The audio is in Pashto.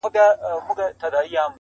د دوستۍ درته لرمه پیغامونه!.